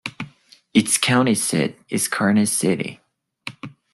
Its county seat is Karnes City.